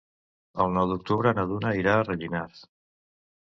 El nou d'octubre na Duna irà a Rellinars.